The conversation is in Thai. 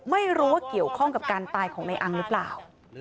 ไม่รู้ว่าเกี่ยวข้องกับการตายของในอังหรือเปล่า